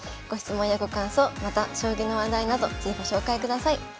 ご質問やご感想また将棋の話題など是非ご紹介ください。